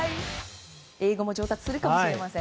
英語も上達するかもしれません。